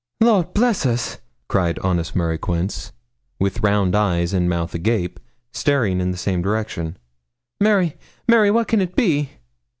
'Lord bless us!' cried honest Mary Quince, with round eyes and mouth agape, staring in the same direction. 'Mary Mary, what can it be?'